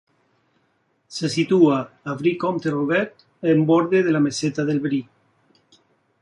Se sitúa a brie-comte-robert en borde de la meseta del Brie.